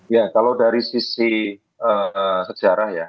ya kalau dari sisi sejarah ya